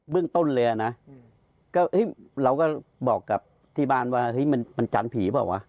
เรื่องต้นเลยนะก็เราก็บอกกับที่บ้านว่ามันจันทร์ผีเปล่าวะ